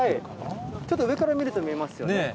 ちょっと上から見ると見えますよね。